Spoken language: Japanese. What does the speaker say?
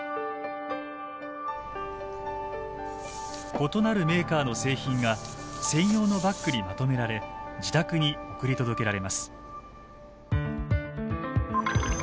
異なるメーカーの製品が専用のバッグにまとめられ自宅に送り届けられます。